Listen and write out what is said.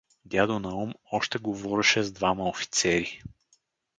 Дядо Наум още говореше с двама офицери.